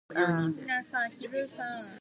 The tram has a sign "Go to the Maldives".